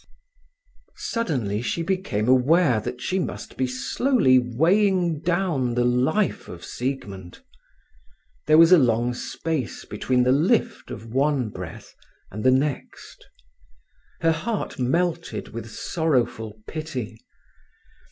Suddenly she became aware that she must be slowly weighing down the life of Siegmund. There was a long space between the lift of one breath and the next. Her heart melted with sorrowful pity.